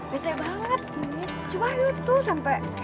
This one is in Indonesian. betel banget sih si wahyu tuh sampai